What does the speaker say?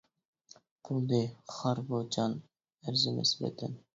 بولدى خار بۇ جان ئەرزىمەس ۋەتەن!